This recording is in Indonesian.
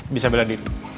bisa bela diri